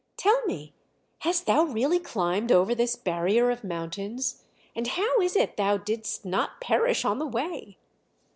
"Tell me, hast thou really climbed over this barrier of mountains; and how is it thou didst not perish on the way?"